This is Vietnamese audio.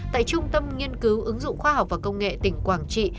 tại trung tâm nghiên cứu ứng dụng khoa học và công nghệ tỉnh quảng trị